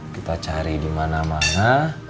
kita cari dimana mana